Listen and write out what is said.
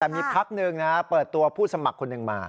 แต่มีพักหนึ่งนะเปิดตัวผู้สมัครคนหนึ่งมา